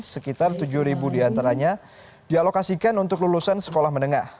sekitar tujuh ribu diantaranya dialokasikan untuk lulusan sekolah menengah